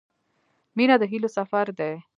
• مینه د هیلو سفر دی.